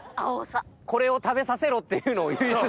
これを食べさせろっていうのを言い続けてた。